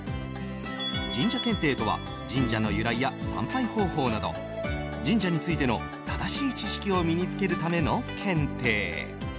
神社検定とは神社の由来や参拝方法など神社についての正しい知識を身に付けるための検定。